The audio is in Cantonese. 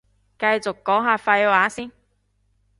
繼續講下廢話先